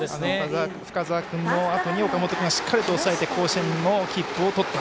深沢君のあとに岡本君がしっかり抑えて甲子園の切符をとった。